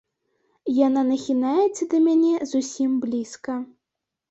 Яна нахінаецца да мяне зусім блізка.